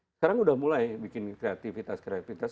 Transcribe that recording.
sekarang udah mulai bikin kreativitas kreativitas